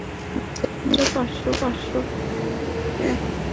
তিনি শ্রেষ্ঠ পার্শ্ব অভিনেতা বিভাগে একাডেমি পুরস্কার অর্জন করেন।